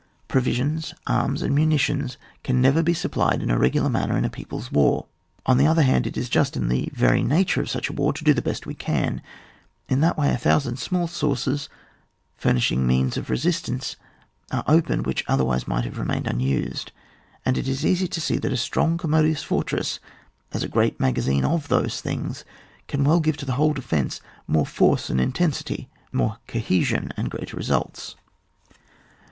Provisions, arms, and muni tions can never be supplied in a regular manner in a People's War; on the other hand, it is just in the very nature of such a war to do the best we can ; in that way a thousand small sources furnishing means of resistance are opened which otherwise might have remained unused ; and it is easy to see that a strong commodious fortress, as a great magazine of these things, can well give to the whole defence more force and intensity, more cohesion, and greater results.